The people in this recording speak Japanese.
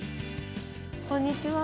こんにちは。